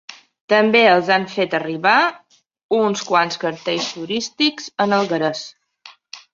També els han fet arribar uns quants cartells turístics en alguerès.